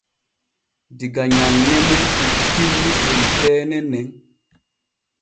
Diga nyanne mun hikkimmi senteene nen.